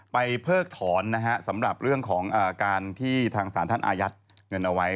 เพิกถอนนะฮะสำหรับเรื่องของการที่ทางศาลท่านอายัดเงินเอาไว้